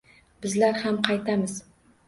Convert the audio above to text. Bizlar ham qaytamiz